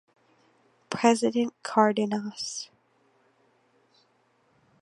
President Cárdenas.